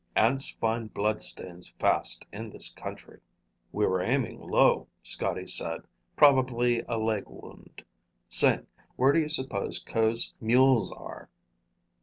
"Ants find bloodstains fast in this country." "We were aiming low," Scotty said. "Probably a leg wound. Sing, where do you suppose Ko's mules are?"